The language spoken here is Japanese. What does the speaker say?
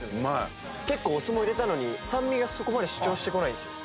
結構お酢も入れたのに酸味がそこまで主張してこないんですよ。